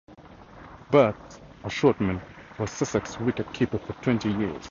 Butt, a short man, was Sussex's wicket-keeper for twenty years.